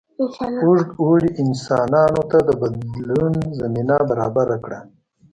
اوږد اوړي انسانانو ته د بدلون زمینه برابره کړه.